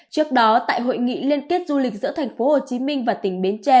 trước đó tại hội nghị liên kết du lịch giữa tp hcm và tỉnh bến tre